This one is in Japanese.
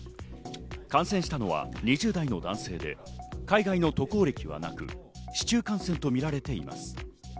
感染したのは２０代の男性で海外の渡航歴はなく市中感染と見られています。